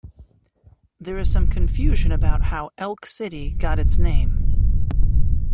There is some confusion about how Elk City got its name.